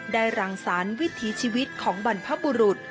รังสรรค์วิถีชีวิตของบรรพบุรุษ